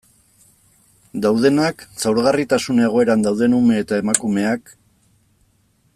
Daudenak, zaurgarritasun egoeran dauden ume eta emakumeak...